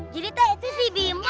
jadi tak itu si bimok